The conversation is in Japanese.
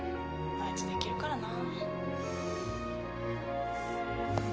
あいつできるからな。